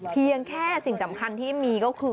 เพียงแค่สิ่งสำคัญที่มีก็คือ